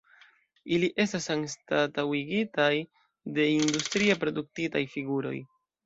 Ili estas anstataŭitaj de industrie produktitaj figuroj.